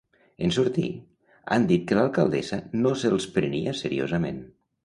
En sortir, han dit que l'alcaldessa no se'ls prenia seriosament.